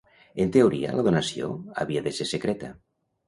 En teoria, la donació havia de ser secreta.